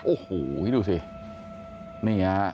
โอ้โหนี่ดูสิ